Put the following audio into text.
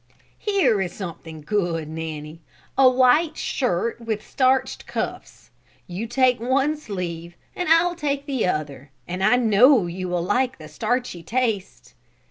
"Here is something good, Nanny. A white shirt with starched cuffs. You take one sleeve and I will take the other and I know you will like the starchy taste."